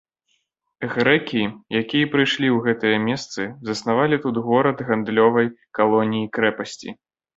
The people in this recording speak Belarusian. Грэкі, якія прыйшлі ў гэтыя месцы, заснавалі тут горад гандлёвай калоніі-крэпасці.